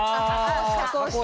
加工した。